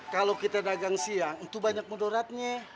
kalau kita dagang siang itu banyak mudaratnya